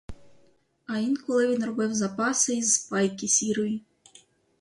А інколи він робив запаси й з пайки сірої.